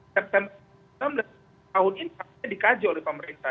enam belas tahun inter instansnya dikaji oleh pemerintah